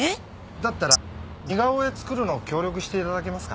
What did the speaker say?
だったら似顔絵作るの協力していただけますか？